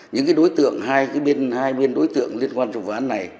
những cái đối tượng hai bên đối tượng liên quan cho quán này